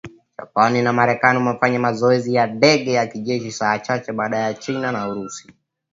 Japan na Marekani wamefanya mazoezi ya ndege za kijeshi saa chache baada ya China na Urusi